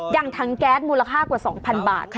อย่างทางแก๊สมูลค่ากว่า๒๐๐๐บาท